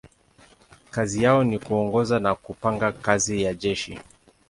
Kazi yao ni kuongoza na kupanga kazi ya jeshi.